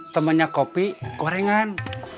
temannya kopi gorengan